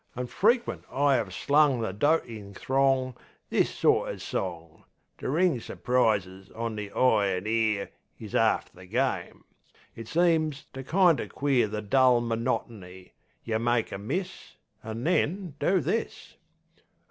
An' frequent I 'ave slung the dotin' throng This sort o' song. To ring su'prises on the eye an' ear Is 'arf the game. It seems to kind o' queer The dull monotony. yeh make a miss, An' then do this.